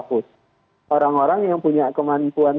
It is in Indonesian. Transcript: harus dihayar secara pus orang orang yang punya kemampuan